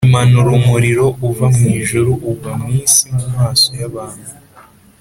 imanura umuriro uva mu ijuru ugwa mu isi mu maso y’abantu.